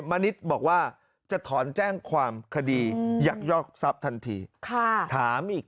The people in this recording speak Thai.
มณิษฐ์บอกว่าจะถอนแจ้งความคดียักยอกทรัพย์ทันทีถามอีก